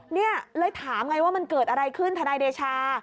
นี่เลยถามไงว่ามันเกิดอะไรขึ้นทนายเดชา